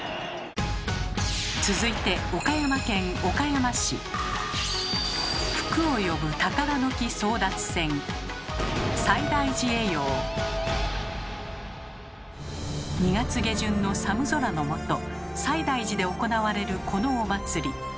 続いて２月下旬の寒空の下西大寺で行われるこのお祭り。